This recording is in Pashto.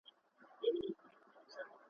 o بې گودره چي گډېږي، خود بې سيند وړي.